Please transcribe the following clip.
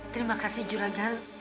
terima kasih juragan